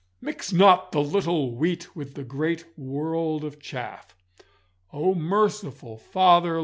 Mix not the little wheat with the great world of chaff. Oh, merciful Father!